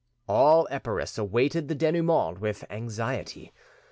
All Epirus awaited the denoument with anxiety.